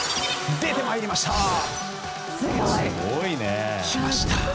出てまいりました。